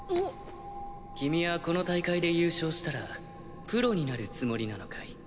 君はこの大会で優勝したらプロになるつもりなのかい？